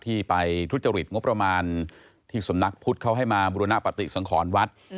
ที่ไปทุจริตงบประมาณที่สำนักพุทธเขาให้มาบุรณปฏิสังขรวัด